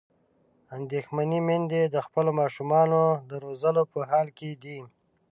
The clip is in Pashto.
اندېښمنې میندې د خپلو ماشومانو د روزلو په حال کې دي.